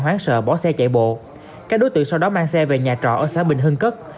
hoán sợ bỏ xe chạy bộ các đối tượng sau đó mang xe về nhà trọ ở xã bình hưng cất